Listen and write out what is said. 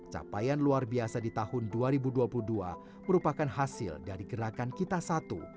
capaian luar biasa di tahun dua ribu dua puluh dua merupakan hasil dari gerakan kita satu